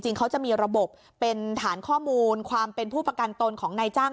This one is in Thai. เขาจะมีระบบเป็นฐานข้อมูลความเป็นผู้ประกันตนของนายจ้าง